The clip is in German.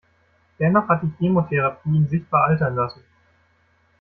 Dennoch hat die Chemotherapie ihn sichtbar altern lassen.